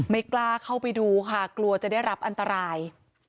ไม่กล้าเข้าไปดูค่ะกลัวจะได้รับอันตราย